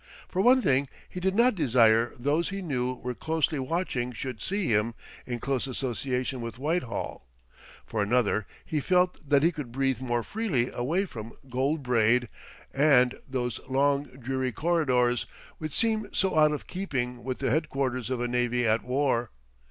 For one thing he did not desire those he knew were closely watching should see him in close association with Whitehall; for another he felt that he could breathe more freely away from gold braid and those long dreary corridors, which seemed so out of keeping with the headquarters of a Navy at war.